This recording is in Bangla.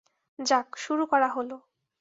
যাক, শুরু করা হলো।